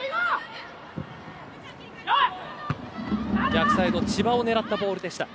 逆サイド、千葉を狙ったボールでした。